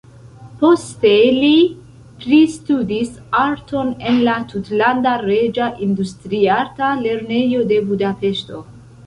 Poste li pristudis arton en la Tutlanda Reĝa Industriarta Lernejo de Budapeŝto.